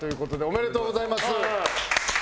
ありがとうございます。